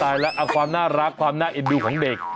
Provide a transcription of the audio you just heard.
อ้าวความน่ารักความน่าเอ็นดูของเด็ก